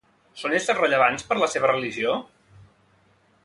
Són éssers rellevants per la seva religió?